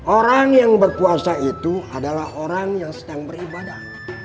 orang yang berpuasa itu adalah orang yang sedang beribadah